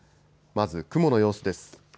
まず雲の様子です。